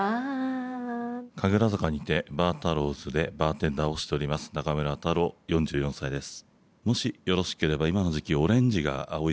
・神楽坂にてＢａｒＴａｒｒｏｗ’ｓでバーテンダーをしております中村太郎４４歳です。